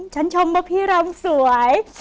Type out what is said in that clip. ชมว่าพี่รำสวย